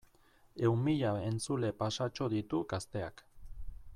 Ehun mila entzule pasatxo ditu Gazteak.